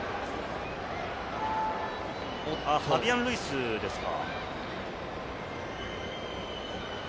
ファビアン・ルイスですか？